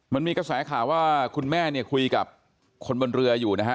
มันมีกระแสข่าวว่าคุณแม่เนี่ยคุยกับคนบนเรืออยู่นะฮะ